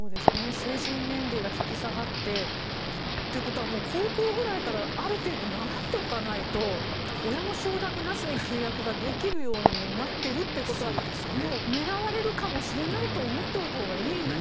成人年齢が引き下がってということは高校くらいからある程度、習っておかないと親の承諾なしに契約ができるようになっているということはもう狙われるかもしれないと思っておいたほうがいいですね。